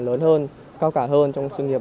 lớn hơn cao cả hơn trong sự nghiệp